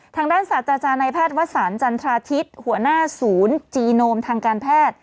ทางด้านศาสตร์จาจานัยภาษณ์วัฒน์จันทราธิตหัวหน้าศูนย์จีโนมทางการแพทย์